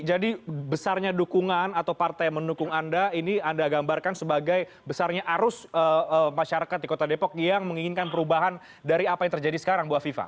besarnya dukungan atau partai mendukung anda ini anda gambarkan sebagai besarnya arus masyarakat di kota depok yang menginginkan perubahan dari apa yang terjadi sekarang bu afifah